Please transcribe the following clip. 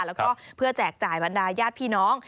แล้วก็เพื่อแจกจ่ายบรรดาญาติพี่น้อง